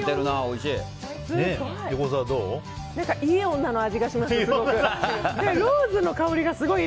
いい女の味がします、すごく。